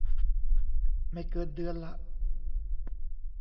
ไม่เกินเดือนละ